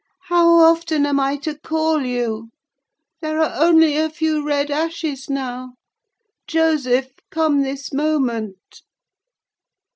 "How often am I to call you? There are only a few red ashes now. Joseph! come this moment."